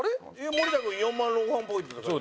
森田君４万ロンハーポイントだから。